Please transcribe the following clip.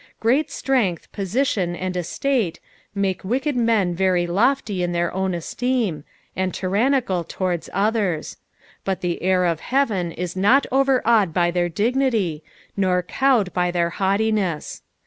Great strenglh, position, snd estate, make wicked men very lofty in their own esteem, and tyrannical towards others ; but tha heir of heaven is not overawed by their dignitv, nor cowed by their haughtiness.